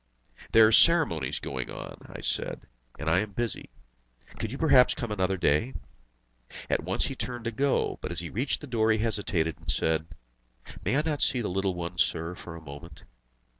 "There are ceremonies going on," I said, "and I am busy. Could you perhaps come another day?" At once he turned to go; but as he reached the door he hesitated, and said: "May I not see the little one, sir, for a moment?"